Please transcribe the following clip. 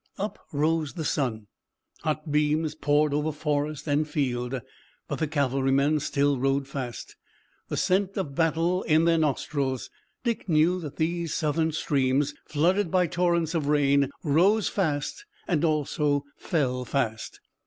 Up rose the sun. Hot beams poured over forest and field, but the cavalrymen still rode fast, the scent of battle in their nostrils. Dick knew that these Southern streams, flooded by torrents of rain, rose fast and also fell fast.